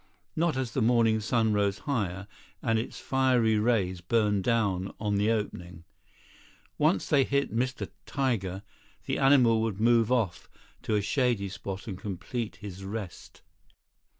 Not as the morning sun rose higher, and its fiery rays burned down on the opening. Once they hit Mr. Tiger, the animal would move off to a shady spot and complete his rest.